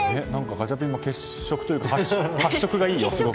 ガチャピンも血色というか発色がいいよ。